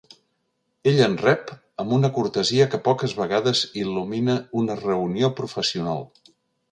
Ell em rep amb una cortesia que poques vegades il·lumina una reunió professional.